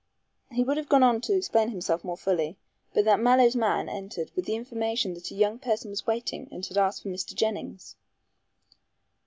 He would have gone on to explain himself more fully, but that Mallow's man entered with the information that a young person was waiting and asked for Mr. Jennings.